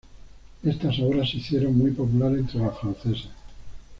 Estas obras se hicieron muy populares entre los franceses.